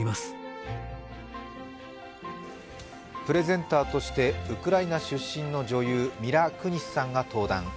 プレゼンターとしてウクライナ出身の女優、ミラ・クニスさんが登壇。